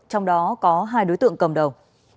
trong đó có hai đối tượng cầm đầu